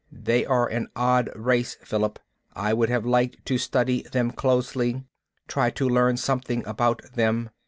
They're an odd race, Philip. I would have liked to study them closely, try to learn something about them.